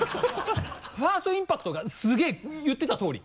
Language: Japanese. ファーストインパクトがすげぇ言ってたとおり。